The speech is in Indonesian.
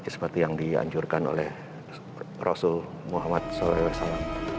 seperti yang dianjurkan oleh rasul muhammad saw